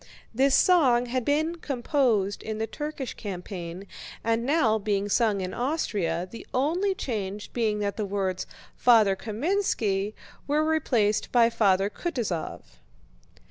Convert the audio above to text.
This song had been composed in the Turkish campaign and now being sung in Austria, the only change being that the words "Father Kámenski" were replaced by "Father Kutúzov."